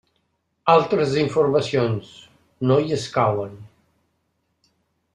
Altres informacions: no hi escauen.